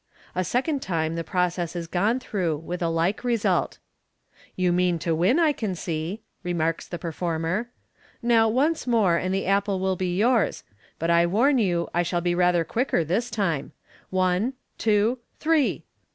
A second time the process is gone through, with a like result. " You mean to win, I can see," remarks the performer. " Now, once more, and the apple will be yours j but I warn you I shall be rather quicker this time. One' two!! three!!!"